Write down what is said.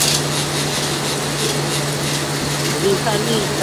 一作晴州。